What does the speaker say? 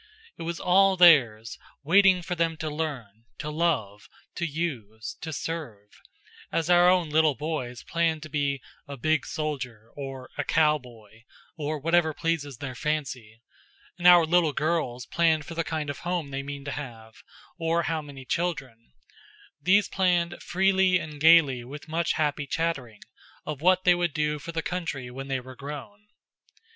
It was all theirs, waiting for them to learn, to love, to use, to serve; as our own little boys plan to be "a big soldier," or "a cowboy," or whatever pleases their fancy; and our little girls plan for the kind of home they mean to have, or how many children; these planned, freely and gaily with much happy chattering, of what they would do for the country when they were grown.